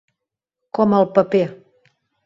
Com el paper.